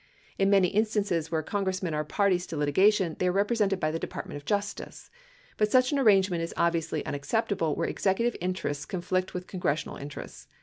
In many instances where Congressmen are parties to litigation, they are represented by the Department of Justice. But such an arrangement is obviously unacceptable where executive interests conflict with congressional interests.